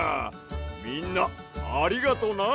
みんなありがとな。